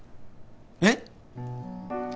えっ！？